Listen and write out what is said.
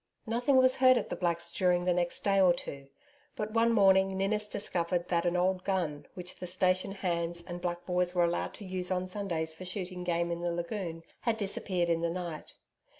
Nothing was heard of the Blacks during the next day or two, but one morning Ninnis discovered that an old gun, which the station hands and the black boys were allowed to use on Sundays for shooting game in the lagoon, had disappeared in the night.